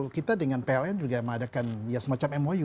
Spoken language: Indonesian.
kita dengan pln juga mengadakan ya semacam mou